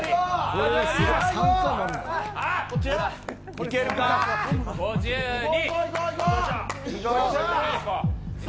いけるか５２。